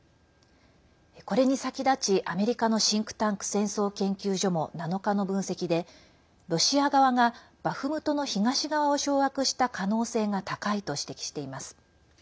これに先立ち、アメリカのシンクタンク戦争研究所も７日の分析で、ロシア側がバフムトの東側を掌握した可能性が高いと指摘しています。